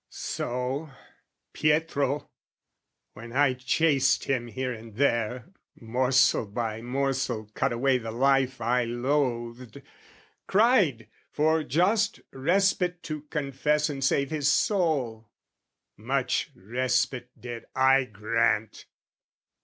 So Pietro, when I chased him here and there, Morsel by morsel cut away the life I loathed, cried for just respite to confess And save his soul: much respite did I grant!